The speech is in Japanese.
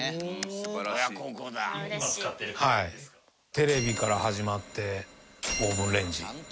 テレビから始まってオーブンレンジ。